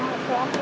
saudara anak bu